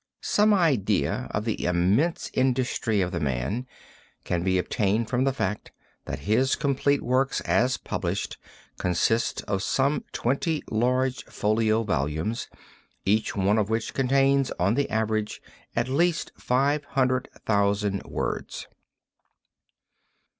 Some idea of the immense industry of the man can be obtained from the fact that his complete works as published consist of some twenty large folio volumes, each one of which contains on the average at least 500,000 words.